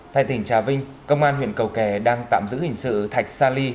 tại tỉnh trà vinh công an huyện cầu kè đang tạm giữ hình sự thạch sa ly